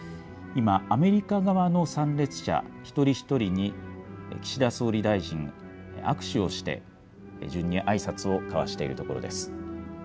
今、アメリカ側の参列者一人一人に岸田総理大臣、握手をして順にあいさつを交わしているところです。